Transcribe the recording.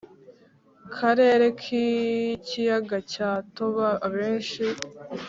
Karere k ikiyaga cya toba abenshi